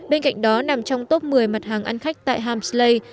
bên cạnh đó nằm trong top một mươi mặt hàng ăn khách tại hamsley